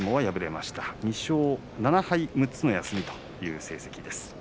石浦は２勝７敗６日の休みという成績です。